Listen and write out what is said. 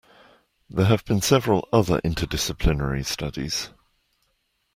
There have been several other interdisciplinary studies.